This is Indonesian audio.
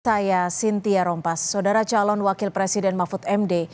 saya sintia rompas saudara calon wakil presiden mahfud md